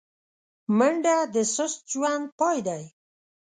منډه د سست ژوند پای دی